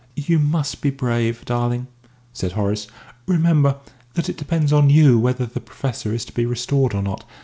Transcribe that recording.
"You must be brave, darling!" said Horace. "Remember that it depends on you whether the Professor is to be restored or not.